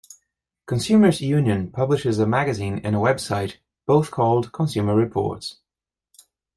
Consumers Union publishes a magazine and a website, both called "Consumer Reports".